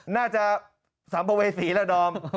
น่าจะสัมโปประเวศฝีระดอม